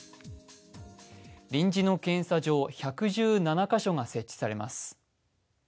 臨時の検査場１１７カ所が設置されます。